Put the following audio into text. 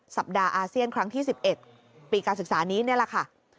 อาเซียนครั้งที่๑๑ปีการศึกษานี้นี่แหละค่ะ